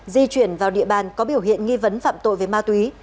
di chuyển vào địa bàn có biểu hiện nghi vấn phạm tội về ma túy